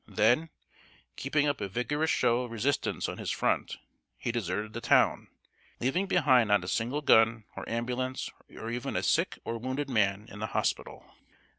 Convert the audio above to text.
Then, keeping up a vigorous show of resistance on his front, he deserted the town, leaving behind not a single gun, or ambulance, or even a sick or wounded man in the hospital.